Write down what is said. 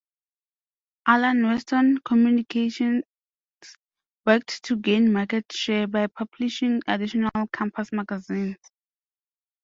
Alan Weston Communications worked to gain market share by publishing additional campus magazines.